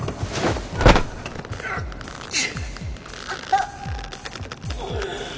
あっ！